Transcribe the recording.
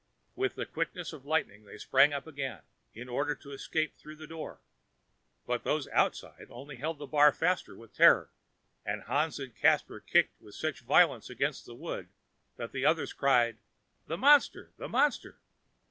With the quickness of lightning they sprang up again, in order to escape through the door, but those outside only held the bar faster from terror; and Hans and Caspar kicked with such violence against the wood that the others cried, "The monster! the monster!"